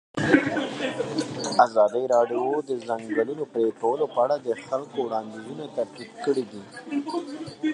ازادي راډیو د د ځنګلونو پرېکول په اړه د خلکو وړاندیزونه ترتیب کړي.